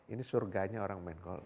ini surganya orang main gol